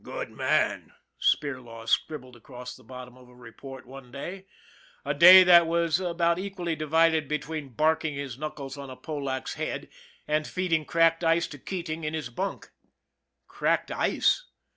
" Good man," Spirlaw scribbled across the bottom of a report one day a day that was about equally divided between barking his knuckles on a Polack's head and feeding cracked ice to Keating in his bunk. Cracked ice?